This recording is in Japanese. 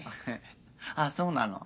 あぁそうなの？